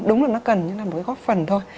đúng là nó cần nhưng là một cái góp phần thôi